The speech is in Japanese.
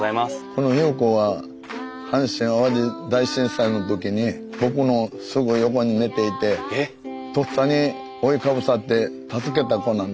この優子は阪神・淡路大震災の時に僕のすぐ横に寝ていてとっさに覆いかぶさって助けた子なんです。